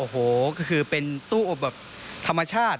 หมักก็คือเป็นตู้แบบธรรมชาติ